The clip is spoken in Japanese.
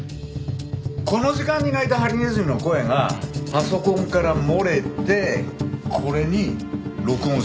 この時間に鳴いたハリネズミの声がパソコンから漏れてこれに録音されたんだよ。